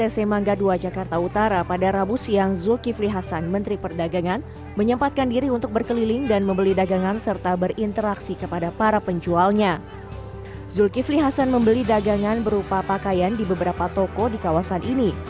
zulkifli hasan membeli dagangan berupa pakaian di beberapa toko di kawasan ini